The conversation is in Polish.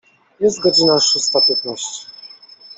Jest godzina szósta piętnaście.